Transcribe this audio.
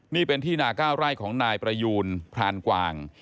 นี่เป็นที่นา๙ไร่ของนายประยูนพรานกวาง